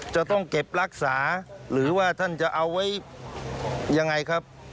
จะต้องเก็บรักษาหรือว่าท่านจะเอาไว้ยังไงครับ